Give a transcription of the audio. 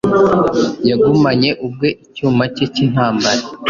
Yagumanye ubwe icyuma cye cyintambara